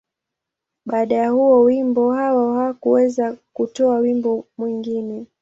Baada ya huo wimbo, Hawa hakuweza kutoa wimbo mwingine.